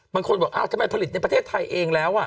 บางคนบอกทำไมผลิตในประเทศไทยเองแล้ว